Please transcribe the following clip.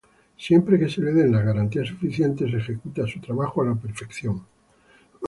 Siempre que se le den las garantías suficientes, ejecuta su trabajo a la perfección.